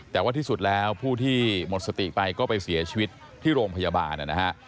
แต่ว่าที่สุดแล้วผู้ที่หมดสติไปก็ไปเสียชีวิตที่โรงพยาบาลนะฮะ